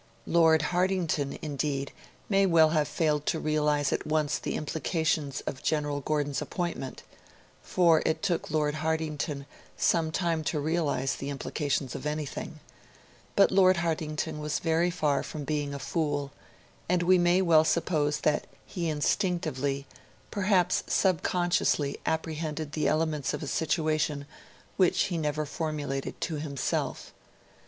Lord Hartington, indeed, may well have failed to realise at once the implications of General Gordon's appointment for it took Lord Hartington some time to realise the implications of anything; but Lord Hartington was very far from being a fool; and we may well suppose that he instinctively, perhaps subconsciously, apprehended the elements of a situation which he never formulated to himself.